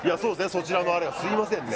そちらのあれすみません